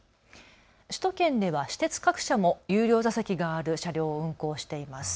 首都圏では私鉄各社も有料座席がある車両を運行しています。